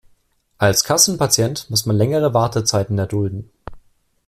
Als Kassenpatient muss man längere Wartezeiten erdulden.